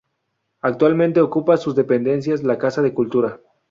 Actualmente ocupa sus dependencias la casa de Cultura.